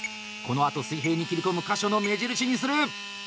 このあと、水平に切り込む箇所の目印にする。